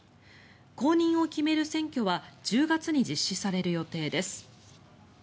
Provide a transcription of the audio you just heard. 後任を決める選挙は１０月に実施される予定です。